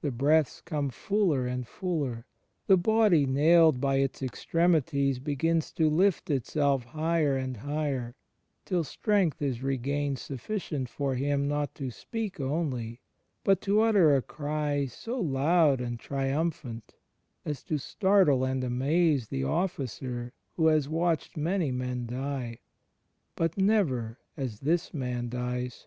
The breaths come fuller and fuller, the Body nailed by its extremities begins to lift itself higher and higher till strength is regained sufficient for Him not to speak only, but to utter a cry so loud and triumphant as to startle and amaze the officer who has watched many men die, but never as This Man dies.